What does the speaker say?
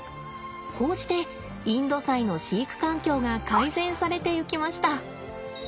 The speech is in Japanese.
こうしてインドサイの飼育環境が改善されていきました。